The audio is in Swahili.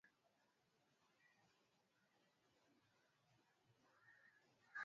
Kimeta cha utumbo